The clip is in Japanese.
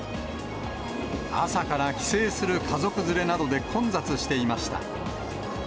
朝から帰省する家族連れなどで混雑していました。